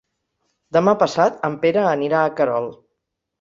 Demà passat en Pere anirà a Querol.